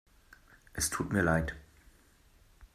Es tut mir leid.